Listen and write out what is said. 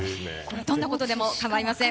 どんなことでも構いません。